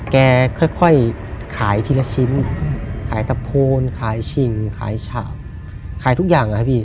แกค่อยขายทีละชิ้นขายตะโพนขายชิงขายฉากขายทุกอย่างนะครับพี่